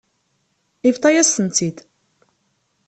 Yebḍa-yas-tent-id.